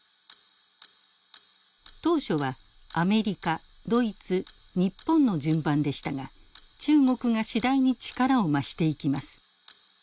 当初はアメリカドイツ日本の順番でしたが中国が次第に力を増していきます。